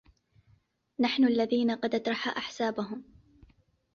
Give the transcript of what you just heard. نحن الذين غدت رحى أحسابهم